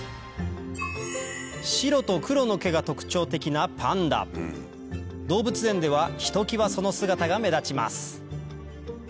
白と黒の毛が特徴的なパンダ動物園ではひときわその姿が目立ちます